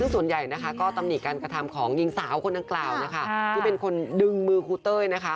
ส่วนใหญ่ก็ตำหนี่การกระทำของยิงสาวคนนั้นกล่าวที่เป็นคนดึงมือคุณเต้ย